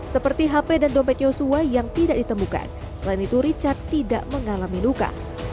seperti hp dan dompet yosua yang tidak ditemukan selain itu richard tidak mengalami luka